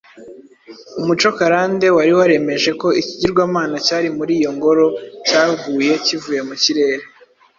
Umuco karande wari waremeje ko ikigirwamana cyari muri iyo ngoro cyaguye kivuye mu kirere